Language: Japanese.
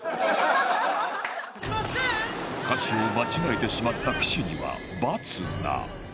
歌詞を間違えてしまった岸には罰が